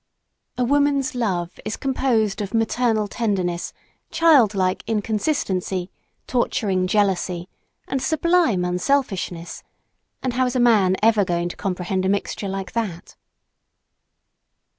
A woman's love is composed of maternal tenderness, childlike inconsistency, torturing jealousy and sublime unselfishness and how is a man ever going to comprehend a mixture like that?